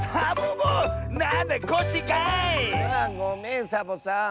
あごめんサボさん。